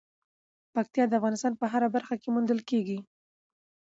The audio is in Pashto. پکتیا د افغانستان په هره برخه کې موندل کېږي.